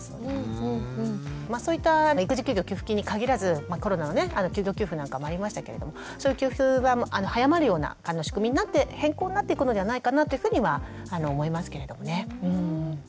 そういった育児休業寄付金に限らずコロナのね休業給付なんかもありましたけれどもそういう給付は早まるような仕組みになって変更になっていくのではないかなというふうには思いますけれどもね。